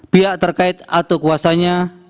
pihak terkait atau kuasanya